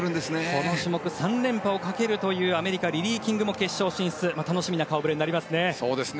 この種目３連覇をかけるというアメリカ、リリー・キングも決勝進出楽しみな顔触れになりますね。